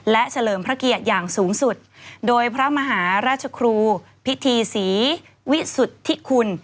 และเฉลิมพระเกียรติอย่างสูงสุดโดยพระมหาราชครูพิธีศรีวิสุทธิคุณ